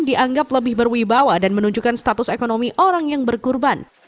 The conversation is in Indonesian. dianggap lebih berwibawa dan menunjukkan status ekonomi orang yang berkurban